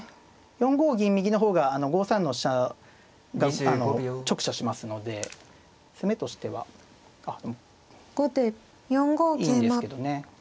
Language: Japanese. ４五銀右の方が５三の飛車が直射しますので攻めとしてはいいんですけどね。